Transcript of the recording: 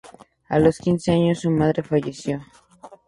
A los quince años su madre falleció.